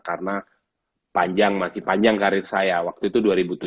karena panjang masih panjang karir saya waktu itu dua ribu tujuh